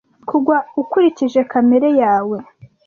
kugwa ukurikije kamere yawe